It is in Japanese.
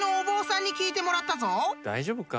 大丈夫か？